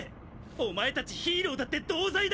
お前たちヒーローだって同罪だ！